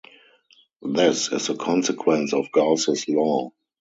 This is a consequence of Gauss's law.